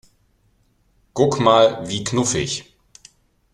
Guck mal, wie knuffig!